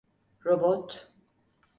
Robot…